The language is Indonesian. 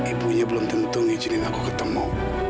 ibunya belum tentu ngizinin aku ketemu